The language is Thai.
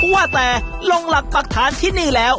ว่าแต่ลงหลักปรักฐานที่นี่แล้ว